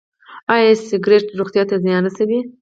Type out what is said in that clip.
ایا سګرټ روغتیا ته زیان رسوي؟